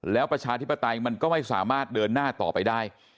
แล้วประชาธิปไตยมันก็ไม่สามารถเดินหน้าต่อไปได้